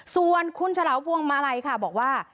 ส่วนคุณฉลาวพวงมาลัยค่ะบอกว่า